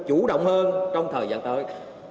chủ động hơn trong thời gian tới